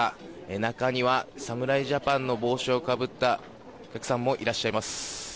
中には侍ジャパンの帽子をかぶったお客さんもいらっしゃいます。